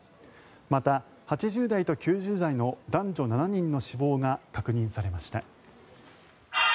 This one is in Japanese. また、８０代と９０代の男女７人の死亡が確認されました。